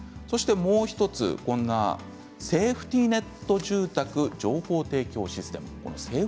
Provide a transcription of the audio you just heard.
もう１つがセーフティネット住宅情報提供システム。